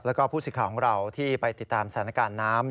แล้วก็ผู้สิทธิ์ของเราที่ไปติดตามสถานการณ์น้ำ